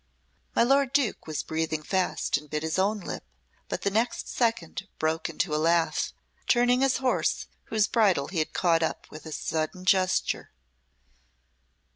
My lord Duke was breathing fast and bit his own lip, but the next second broke into a laugh, turning his horse, whose bridle he had caught up with a sudden gesture.